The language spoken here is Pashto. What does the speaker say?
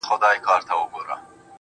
ته چې نه وې دستا ياد څه ضرورت دې